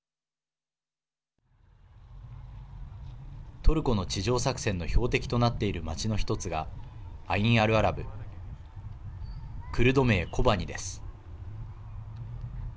トルコの地上作戦の標的となっている町の１つがアイン・アルアラブクルド名コバニです。